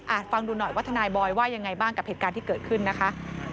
ฟังดูหน่อยว่าทนายบอยว่ายังไงบ้างกับเหตุการณ์ที่เกิดขึ้นนะคะ